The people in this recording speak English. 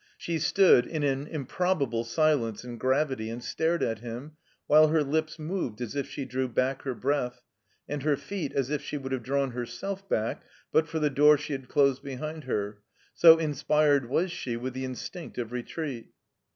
She stood in an improb able silence and gravity and stared at him, while her lips moved as if she drew back her breath, and her feet as if she would have drawn herself back, but for the door she had closed behind her; so inspired was she with the instinct of re* treat.